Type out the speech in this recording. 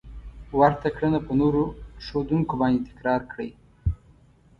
ورته کړنه په نورو ښودونکو باندې تکرار کړئ.